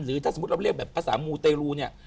หรือถ้าเราเรียกแบบภาษามูตร์เตรูเนี่ย